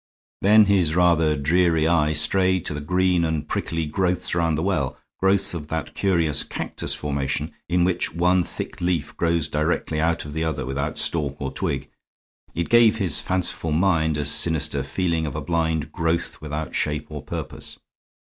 Then his rather dreary eye strayed to the green and prickly growths round the well, growths of that curious cactus formation in which one thick leaf grows directly out of the other without stalk or twig. It gave his fanciful mind a sinister feeling of a blind growth without shape or purpose.